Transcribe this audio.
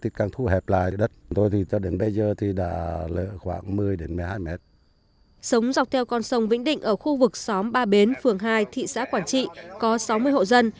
sống dọc theo con sông vĩnh định ở khu vực xóm ba bến phường hai thị xã quảng trị có sáu mươi hộ dân